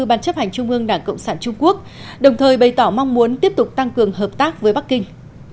ban chấp hành trung ương đảng cộng sản trung quốc đồng thời bày tỏ mong muốn tiếp tục tăng cường hợp tác với bắc kinh